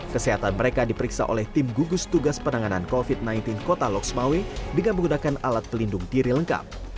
kesehatan mereka diperiksa oleh tim gugus tugas penanganan covid sembilan belas kota loksmawe dengan menggunakan alat pelindung diri lengkap